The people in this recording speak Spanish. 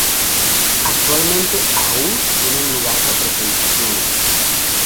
Actualmente aún tienen lugar representaciones.